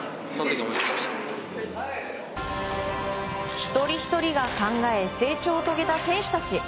一人ひとりが考え成長を遂げた選手たち。